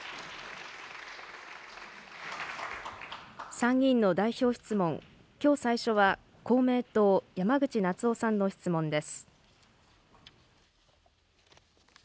参議院の代表質問、きょう最初は公明党、山口那津男さんの質問です。